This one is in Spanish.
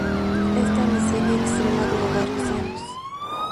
Esta miseria extrema duró varios años.